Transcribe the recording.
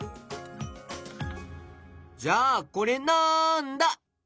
じゃあこれなんだ？